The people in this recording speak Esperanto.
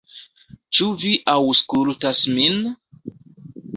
"Ĉu vi aŭskultas min?"